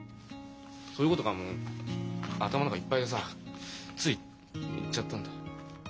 そういうことがもう頭の中いっぱいでさつい言っちゃったんだ。